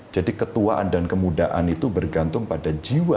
jadi ketuaan dan kemudaan itu bergantung pada jiwa